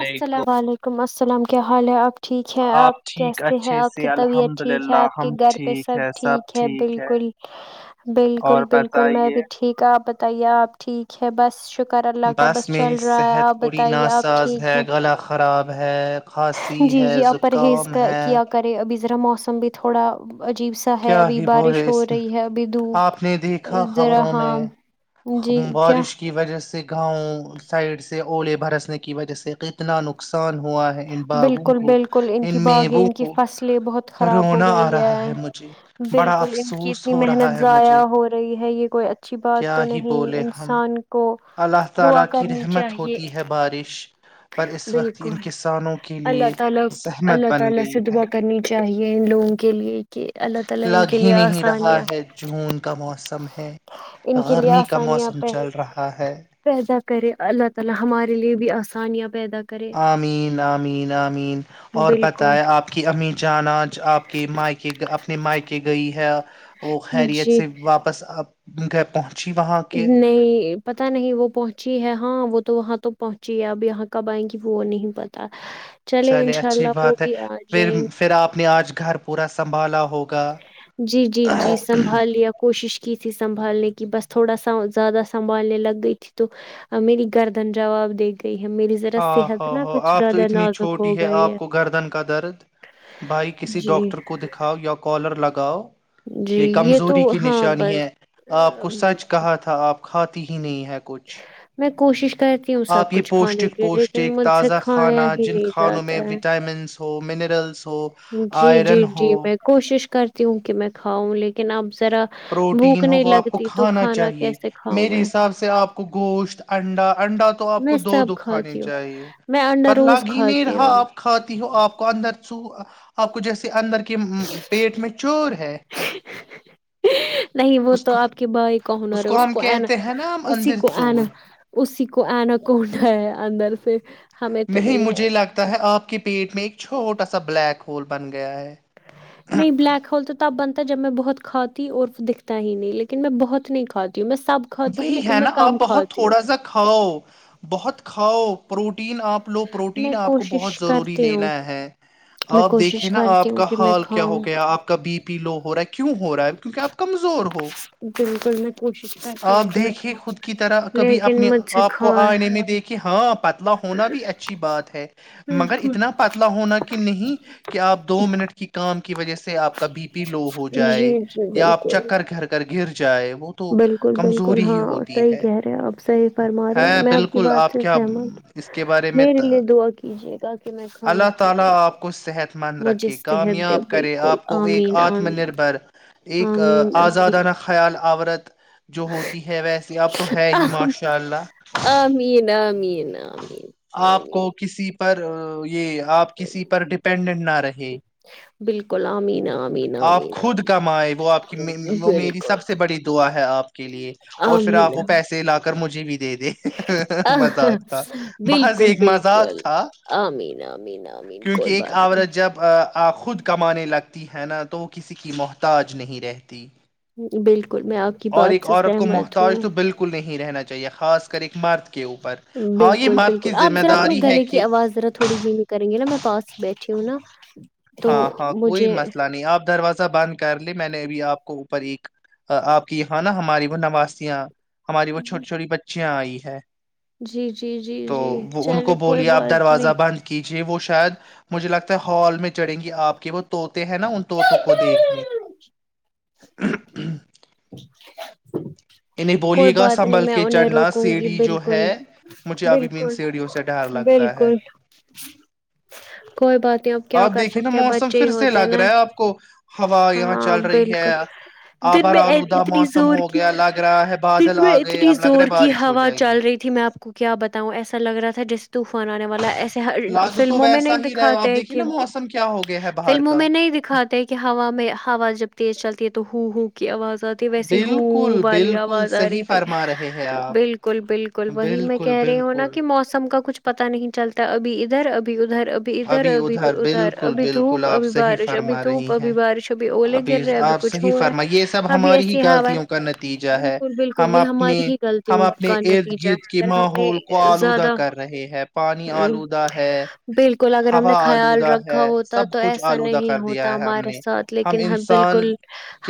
علیکم السلام علیکم السلام کیا حال ہے آپ [unintelligible] ٹھیک ہے آپ ٹھیک کیسے ہیں اچھے آپ سے کی طبیعت الحمد ٹھیک ہے للہ آپ کے ہم گھر پہ ٹھیک ہے سب ٹھیک ہے بالکل اور بالکل بالکل میں بتائیے بھی ٹھیک ہ آپ تی آپ ٹھیک ہے بس شکر اللہ کا بس چل میری رہا ہے صحت آپ تھوڑی بتائیے آپ ناساز ہے گلا خراب ہے کانسی ہے زکام ہے پیزرا موم بھی تھوڑا عجیب سا ہے کیا ابھی ہی بارش بولے ہو اس رہی ہے ابھی دھوپ آپ نے دیکھا خبروں میں دراحام جی خم- کیا بارش کی وجہ سے [unintelligible] گاؤں سائڈ سے اولے بھرسنے کی وجہ سے کتنا نقصان ہوا [unintelligible] باغوں بالکل کو بالکل ان کی باغیں میووں ان کی کو فصلیں بہت خراب ہو رونا آ گئی رہا ہے مجھے بڑا بالکل ان کی افسوس اتنی ہو رہا محنت ہے ضائع مجھے ہو رہی ہے یہ کوئی اچھی بات کیا تو ہی نہیں بولے ہم انسان کو اللہ تعالی دعا کی کرنی رحمت چاہیے ہوتی ہے بارش پر اس وقت ان کی [unintelligible] گئی ہے یہ ان لوگوں لگ ہی نہیں رہا ہے کے جون کا موسم ہے لیے گرمی کا [unintelligible] موسم چل رہا ہے [unintelligible] سانیہ [unintelligible] عمین آ امین امین اور پتہ بالکل ہے آپ کی امی جانا آپ کے م کے اپنے مائ کے گئی [unintelligible] ہے [unintelligible] وہ خیریت جی سے واپس آپ [unintelligible] د گ پہنچ [unintelligible] نہیں پت نہیں وہ پہنچی ہے ہاں وہ تو وہاں تو پہنچی ہے اب یہاں کب آئیں گی وہ نہیں پتا [unintelligible] چلے انشاء اچھی اللہ وہ بات ہے بھی آ پھر جائیں پھر آپ نے آج گھر پورا سنبھالا ہو جی جی جی سنبھال لیا کوشش ت سنبھنے کی بس تھا س زیادہ سنبھنے لگ گئی ت تو میری گردن جواب دے گی [unintelligible] ہ ہ ہ آپ تو اتنی نازک چھوٹی ہو ہے گئی آپ کو گردن کا درد بھائی کسی جی ڈاکٹر کو دکھاؤ یا کالر لگا گاؤں جی [unintelligible] یہ تو کمزوری کی ہاں نشانی بس ہے آپ کو ام، سچ کہا تھا آپ کاتی ہی نہیں ہے کچھ میں کوشش کہتی ہوں سب آپ یہ کچھ کھانے پوشٹک کے لیکن پوشٹک مجھ سے تازہ کھایا ہی نہیں جاتا ہے تو منرلس ہو جی آئرن جی جی ہو میں کوشش کر تی ہوں کہ میں کھاؤں لیکن اب ذرا پروٹین بھوک ہو نہیں وہ آپ کو لگتی تو کھانا چاہیے کیسے کھاؤں میرے میں حساب سے آپ کو گوشت انڈا انڈا تو آپ کو میں دو سب دو کھانے کھاتی ہوں چاہیے میں انڈا پر روز لاگ ہی نہیں کھاتی رہا ہوں آپ کھاتی ہو آپ کو اندرو آپ کو جیسے اندر کے پیٹ میں چور ہے نہیں وہ اس تو کو آپ کے بھائی کا ہنر ہے اس ہم کو انا کہتے ہیں نا ہم اسی اندر کو انا چور اسی کو آنا کو ہنر ہے اندر سے ہمیں تو نہیں ہے مجھے لگتا ہے آپ کے پیٹ میں ایک چھوٹا سا بلیک ہول بن گیا ہے نہیں بلیک ہول تو ت بن جب میں بہت کھاتی اور دکھتا ہی نہیں لیکن میں بہت نہیں کھاتی ہوں میں سب کھاتی ہوں وہی لیکن ہے میں نا آپ کم بہت کھاتی ہوں تھوڑا سا کھاؤ بہت کھاؤ پروٹین آپ لو میں پروٹین آپ کو بہت کوشش ضروری کرتی ہوں لینا ہے میں آپ کوشش دیکھیں نا کرتی آپ ہوں کا کہ میں حال کیا کھاؤں ہو گیا آپ کا بی پی لو ہو رہا ہے کیوں ہو رہا ہے کیونکہ آپ کمزور ہو بالکل میں کوشش کرتی آپ ہوں کہ میں دیکھے کھاؤں خود کی طرح کبھی لیکن اپنے مجھ سے آپ کھا کو آنے میں دیکھے ہاں پتلا ہونا بھی اچھی بات ہے مگر بالکل اتنا پتلا ہونا کہ نہیں کہ آپ دو منٹ کی کام کی وجہ سے آپ کا بی پی لو ہو جی جائے جی یا آپ بالکل چکر گھر کر گر جائے وہ تو بالکل بالکل کمزوری ہی ہاں ہوتی صحیح ہے کہہ رہے ہیں آپ صحیح فرما رہے ہے میں آپ کی بالکل بات سے کیا سہمت ہ اس کے بارے میرے میں لیے دعا کیجیے گا کہ میں کھانا اللہ کھا سکوں مجھے دے یاب کرے بالکل آپ کو ایک آمین آتم آمین نربھر ایک آمین آمین آزادانہ خیال آورت جو ہوتی ہے ویسی اب تو ہے ہی ماشاء اللہ آمین آمین آمین آپ آمین کو کسی پر یہ آپ کسی پر ڈیپینڈنٹ نہ رہے بالکل آمین آمین آپ آمین خود کمائے وہ آپ کی آمین وہ میری بالکل سب سے بڑی دعا ہے آپ کے لیے اور پھر آمین آپ وہ پیسے لا کر مجھے بھی دے دے مذاق آمین، تھا بض یہ بالکل ایک مذاق بالکل تھا آمین آمین آمین کیونکہ کوئی ایک بات آورت جب خود کمانے لگتا ہے نا تو وہ کسی کی محتاج نہیں رہتی بالکل میں آپ کی اور بات ایک سے عورت کو سہمت ہ محتاج تو بالکل نہیں رہنا چاہیے خاص کر ایک مرد کے اوپر ہاں یہ بالکل مرد کی بالکل آپ ذمہ ذرا اپنے داری ہے گلے کی کہ آواز ذرا تھوڑی دھی میں کریں گے نا میں پاس ہی بیٹھی ہوں نا تو ہاں ہاں کوئی مجھے مسئلہ نہیں آپ دروازہ بند کر میں نے اب آپ کو اوپر ایک آپ کی یہاں نا ہماری وہ نوازیاں ہماری وہ چھوٹی چوٹی بچی آئی ہے جی جی جی تو جی وہ ان کو چلے کوئی بولیے آپ بات دروازہ نہیں بند کیجیے وہ شوع شاید مجھے لگتا ہے ہال میں چڑیں گی آپ کے وہ توط ہیں نا ان طوطوں کو دیکھنے [inaudible] انہیں کوئی بولیے گا بات نہیں سنبھل میں کے انہیں چڑھنا روکوں گی سیڑھی جو ہے بالکل مجھے ابھی بھی ان بالکل سیڑھیوں سے ڈر لگتا ہے بالکل [inaudible] کوئی بات نہیں آپ کیا کر دیکھیے نا سکتے ہیں موسم بچے ہی پھر سے ہوتے لگ نا رہا ہے آپ کو ہوا یہاں ہاں چل رہی ہے بالکل دن آبار میں آلودہ اتنی موسم زور ہو کی گیا لگ رہا ہے بادل دن میں آ گئے اتنی اب لگ رہا زور ہے کی بارش ہو ہوا جائے گی چل رہی تھی میں آپ کو کیا بتاؤں ایسا لگ رہا تھا جس طوفان آنے والا ایسے لاگو تو فلموں میں ویسا نہیں ہی رہے دکھاتے آپ ہیں دیکھیے کہ نا موسم کیا ہو گیا ہے باہر فلموں کا میں نہیں دکھاتے کہ ہوا میں ہوا جب تیز چلتی ہے تو ہو ہو کی آواز ویسی ہو بالکل والی بالکل آواز آ رہی صحیح تھی فرما رہے ہیں آپ بالکل بالکل وہی میں بالکل کہہ رہی ہوں نا بالکل کہ موسم کا کچھ پتا نہیں چلتا ابھی ادھر ابھی ادھر ابھی ادھر اب ادھر بالکل ابھی بالکل دھوپ آپ ابھی صحیح بارش ابھی فرما رہی دھوپ ہیں ابھی بارش ابھی اولے گر رہاے ابھی آپ کچھ صحیح ہو رہا فرما یہ سب ہے ابھی ہماری ہی ایسی ہوا غلطیوں کا نتیجہ ہے بالکل بالکل ہم یہ اپنے ہماری ہی ہم غلطیوں اپنے کا ارد نتیجہ گرد ہے کے اگر ہم ماحول کو نے آلودہ زیادہ کر رہے ہیں پانی آلودہ ہے بالکل اگر ہم نے ہوا خیال آلودہ رکھا ہے ہوتا سب تو کچھ ایسا آلودہ نہیں کر ہوتا دیا ہے ہم ہمارے نے ساتھ لیکن ہم انسان بالکل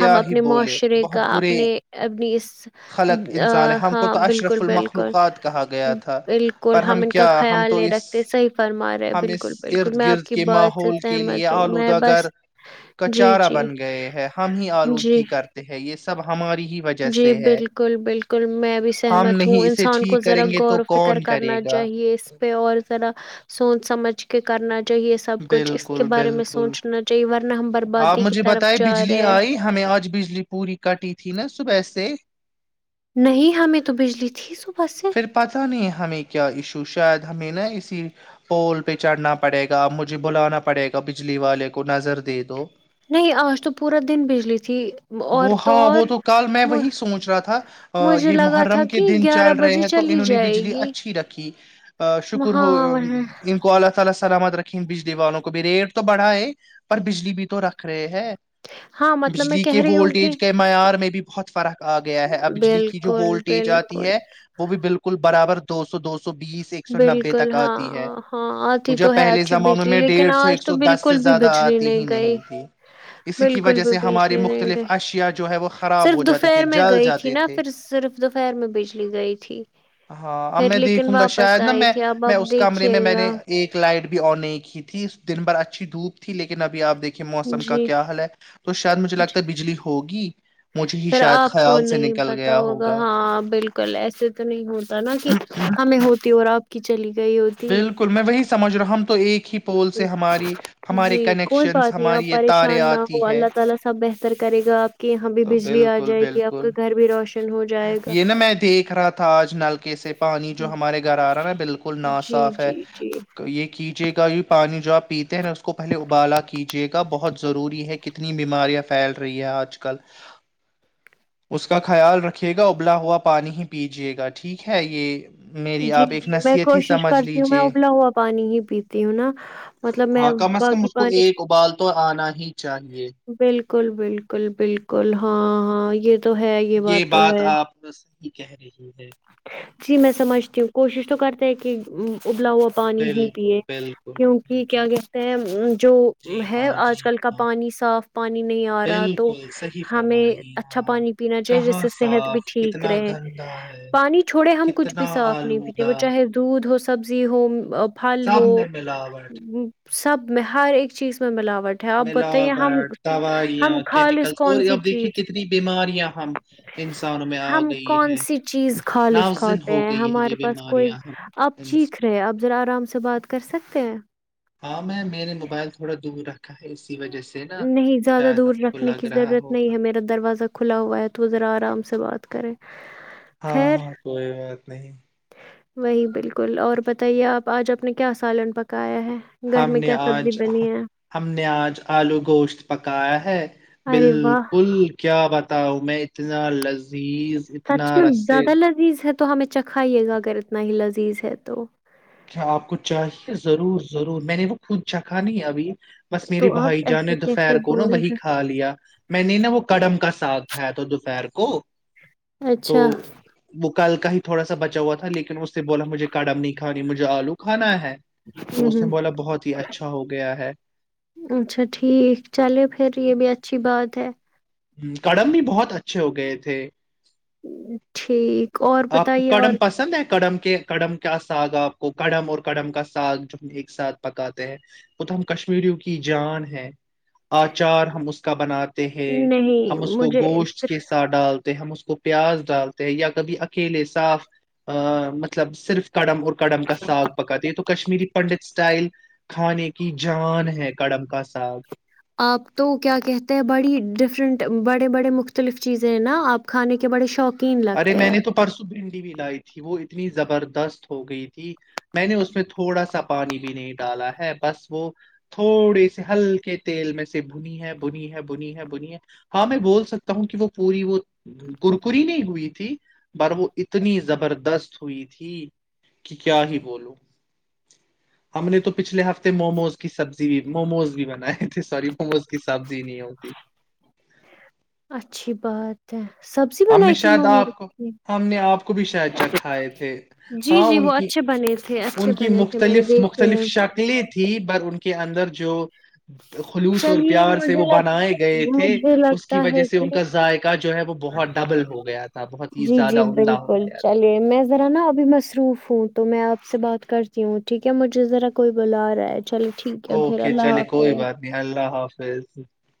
ہم ہی اپنے بولے معاشرے کا بہت برے اپنے اپنی اس خلق انسان ہے ہم کو ہاں تو بالکل اشرف بالکل المخلوقات کہا گیا تھا بالکل پر ہم ان کا کیا ہم خیال تو نہیں اس رکھتے صحیح فرما رہے ہم اس بالکل بالکل ارد میں آپ گرد کی کے بات سے ماحول کے لیے سہمت ہوں میں آلودہ گر بس کا جی چارہ جی بن گئے ہے ہم ہی جی آلودگی کرتے ہیں یہ سب ہماری ہی وجہ جی سے ہے بالکل بالکل میں بھی ہم سہمت نہیں ہوں اسے انسان کو ٹھیک کریں ذرا گے غور تو و فکر کون کرے کرنا گا چاہیے اس پہ اور ذرا سوچ سمجھ کہ کرنا چاہیے سب کچھ اس کے بالکل بارے میں بالکل سوچنا چاہیے ورنہ ہم آپ بربادی کی مجھے طرف بتائے جا بجلی رہے ہیں آئی ہمیں آج بجلی پوری کٹی تھی تھی نا صبحسے نہیں ہمیں تو بجلی تھی صبح سے پھر پتہ نہیں ہمیں کیا ایشو شاید ہمیں نا اسی پول پہ چڑھنا پڑے گا مجھے بلانا پڑے گا بجلی والے کو نظر دتے تو نہیں آج تو پورا دن بجلی تھی اور تو اور مجھ- مجھے لگا تھا کہ گیارہ بجے چلی جائے گی ہاں ہاں [inaudible] بجلی والوں کو بھی ریٹ تو بڑھا ہے پر بجلی بھی تو تو رکھ رہے ہے ہاں، مطلب میں بجلی کے کہہ رہی ہوں کہ وولٹیج کے معیار میں بھی بہت فرق آ گیا ہے بجلی کی جو بالکل وولٹیج آتی بالکل ہے وہ بھی بالکل برابر دو سو دوو بالکل ہاں ہاں آتی تو جو ہے پہلے اچھی زمانوں بجلی میں لیکن ڈیڑھ سو آج ایک تو سو دس سے بالکل بھی زیادہ بجلی آتی نہیں ہی گئی تھی اسی کی بالکل وجہ بھی سے ہماری بجلی نہیں مختلف گئی اشیاء جو ہے وہ خراب صرف ہو جاتے تھے دوپہر میں جل گئی تھی جاتے نا تھے پھر صرف دوپہر میں بجلی گئی تھی ہاں اب پھر میں لیکن دیکھوں گا واپ شاید نا میں میں اس کمرے میں میں نے ایک لائٹ بھی آن نہیں کی تھی اس دن بھر اچھی دھوپ تھی لیکن ابھی آ دیکھ جی لگتا جی ہے بجلی ہوگی مجھے ہی پھر شاید آپ کو خیال سے نہیں نکل پتا گیا ہوگا ہاں بالکل ایسے تو نہیں ہوتا نا کہ ہمیں ہوتی اور آپ باکی چلی گئی ہوتی بالکل میں وہی سمجھ رہا ہوں تو ایک ہی پول سے ہماری ہمارے کنیکشنز ہماری یہ تاریں آتی ہے [unintelligible] کہ یہاں بھی تو بجلی آ بالکل جائے گی آپ بالکل کا گھر بھی روشن ہو جائے گا کیسے پانی جو ہمارے گھر آ رہا ہے نا بالکل نا جی صاف ہے جی جی یہ کیجیے گا یہ پانی جو آپ پیتے ہیں اس کو پہلے ابالا کیجیے گا بہت ضروری ہے کتنی بیماریاں پھیل رہی ہیں آج کل اس کا خیال رکھھیے گا تبلا ہوا پانی ہی پیجیے گا ٹھیک ہے یہ میری جی آپ ایک جی میں نصیحت ہی کوشش سمجھ کرتی ہوں میں لیجیے ابلا ہوا پانی ہی پیتی ہوں نا مطلب میں ہاں کم از کم باقی اس کو پانی ایک ابال تو آنا ہی چاہیے بالکل بالکل بالکل کول ہاں ہاں یہ تو ہے یہ بات تو ہے کہہ رہی ہے جی میں سمجھتی ہوں کوشش تو کر کہ کہ ابلا ہوا پانی ہی بالکل پیے بالکل کیوںکہ کیا کہتے ہیں جو جی ہے ہاں آج جی کل کا ہاں پانی صاف پانی نہیں آ رہا تو بالکل صحیح فرما ہمیں رہی اچھا ہیں آپ پانی پینا چاہیے جس کہاں سے صحت بھی صاف ٹھیک کتنا رہے گندا ہے پانی چھوڑے ہم کچھ کتنا بھی صاف نہیں پیتے وہ آلودہ چاہے دودھ ہو سک سبزی ہو بال ہو سب میں ملاوٹ سب میں ہر ایک چیز میں ملا ملاوٹ دوائیاں ہم خالص کیمیکلس اور کون سی اب دیکھیے چیز کتنی بیماریاں ہم انسانوں میں آ ہم گئی کون ہے سی چیز خالص ناوزن کھاتے ہو ہیں گئی ہمارے یہ پاس کوئی بیماریاں ہم آپ انس- چیھ رہے آپ ذرا آرام سے بات کر سکتے ہیں ہاں میں میرے موبائل تھوڑا دور رکھ نہیں زیادہ دور آپ کو رکھنے کی لگ رہا ضرورت نہیں ہوگا ہے میرا دروازہ کھلا ہوا ہے تو وہ ذرا آرام سے بات کریں ہاں خیر ہاں کوئی بات نہیں وہی بالکل اور بتائیے آپ آج آپ نے کیا سالن پکایا ہے گھر میں کیا سبزی بنی ہے نیاز آلو گوشت پکایا ہے ارے واہ بالکل کیا بتا ہوں میں اتنا ل پلیز اتنا سچ میں رس زیادہ لذیذ ہے تو ہمیں چکھائیے گا اگر اتنا ہی لذیذ ہے تو کیا آپ کو چاہیے ضرور ضرور میں نے وہ خود چکھا نہیں ابھی بس میری تو بھائی آپ جان نے ایسے کیسے دوپہر کو نا بول وہی رہے کھا لیا میں نے نا وہ کڑم کا ساگ کھایا تھا دوپہر کو [unintelligible] تو اچھا وہ کل کا ہی تھوڑا با ہوا تھا لیکن اس سے بولا مجھے کاڈم نہیں کر مجھے آلو کھانا ہے ہ تو اس نے بولا بہت ہی ہ اچھا ہو گیا ہے اچھا ٹھیک چلے پھر یہ بھی اچھی بات ہے ہ کڑم بھی بہت اچھے ہو گئے تھے ٹھیک اور بتائیے اور کہ کڑم کیا ساگ ہے آپ کو کڑم اور کڑم کا ساگ جو ہم ایک ساتھ پکاتے ہیں وہ تو ہم کشمیریوں کی جان ہے آچار ہم اس کا بناتے ہیں نہیں ہم اس کو مجھے گوشت کے ساتھ ڈالتے ہیں ہم اس کو پیاز ڈالتے ہیں یا کبھی اکیلے صاف ا مطلب صرف کڑم اور کڑم کا ساگ پکاتی ہے تو کشمیری پنڈت اسٹائل کھانے کی جان ہے کڑم کا ساگ آپ تو کیا کہتے ہیں بڑی ڈفرنٹ بڑے بڑے مختلف چیزیں ہیں نا آپ کھانے کے بڑے شوق ارے میں نے تو پرسوں بھی بھی لائی تھی وہ اتنی زبردست ہو گئی تھی میں نے اس میں تھوڑا سا پانی بھی نہیں ڈالا ہے بس وہ تھوڑی سی ہلکی کے تیل میں سے بنی ہے بنی ہے بنی ہے بنی ہے ہاں میں بول سکتا ہوں کہ وہ پوری وہ گڑکریی نہیں ہوئی تھی پر وہ اتنی زبر بردست ہوئی تھی کہ کیا ہی بولو [unintelligible] ہم نے تو پچھلے ہفتے موموز کی سبزی بھی موموز بھی بنائے [unintelligible] سی مموز کی سبزی نہیں ہوتی [unintelligible] چ [unintelligible] ہم نے شاید آپ کو ہم نے آپ کو بھی شاید چکھائے تھے جی ہاں جی ان وہ کی اچھے بنے تھے اچھے ان کی بنے تھے میں نے مختلف دیکھے مختلف ہیں شکلیں تھیں ب ان کی کے اندر جو [unintelligible] خلوص اور چلیے پیار سے مجھے وہ لگ بنائے گئے تھے مجھے اس کی لگتا وجہ ہے سے کہ ان کا ذائقہ جو ہے وہ بہت ڈبل ہو گیا تھا بہت ہی جی زیادہ جی عمدہ ہو بالکل گیا تھا چلیے میں ذرا نا ابھی م [unintelligible] مصروف ہوں تو میں آپ سے بات کرتی ہوں ٹھیک ہے مجھے ذرا کوئی بلا رہا ہے چلو ٹھیک ہے پھر اوکے اللہ چلے کوئی حافظ بات نہیں اللہ حافظ جی [unintelligible]